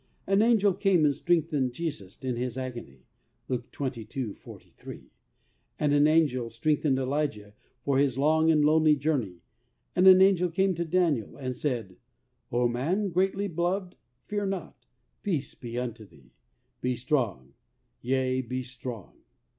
An angel came and strengthened Jesus in His agony (Luke 2,2'. 43), and an angel strengthened Elijah for his long and lonely journey, and an angel came to Daniel and said, "O man, greatly beloved, fear not; peace be unto thee; be strong, yea, be strong."